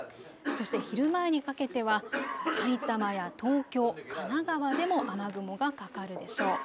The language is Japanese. そして昼前にかけては埼玉や東京、神奈川でも雨雲がかかるでしょう。